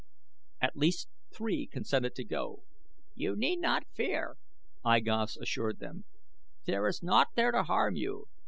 At last three consented to go. "You need not fear," I Gos assured them. "There is naught there to harm you.